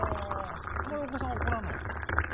あんまりお子さん怒らない？